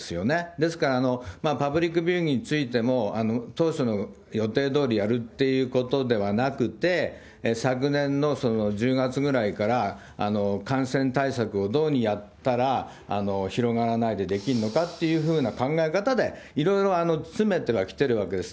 ですから、パブリックビューイングについても、当初の予定どおりやるっていうことではなくて、昨年の１０月ぐらいから感染対策をどういうふうにやったら広がらないでできるのかっていうふうな考え方で、いろいろ詰めてはきているわけです。